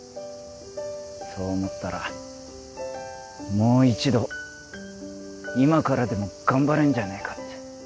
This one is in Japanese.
そう思ったらもう一度今からでも頑張れんじゃねぇかって。